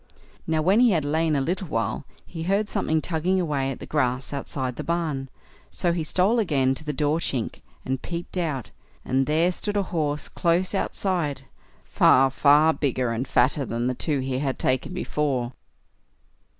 Now when he had lain a little while, he heard something tugging away at the grass outside the barn, so he stole again to the door chink, and peeped out, and there stood a horse close outside—far, far bigger and fatter than the two he had taken before.